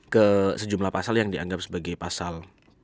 ke sejumlah pasal yang dianggap sebagai pasal